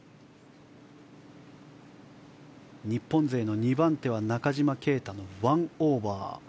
日本勢の２番手は中島啓太の１オーバー。